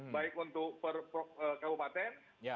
baik untuk perkewupatan